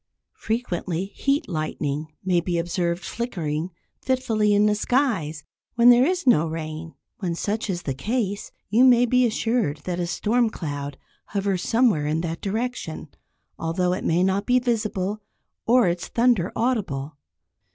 Frequently "heat lightning" may be observed flickering fitfully in the skies, when there is no rain. When such is the case, you may be assured that a storm cloud hovers somewhere in that direction, although it may not be visible, or its thunder audible.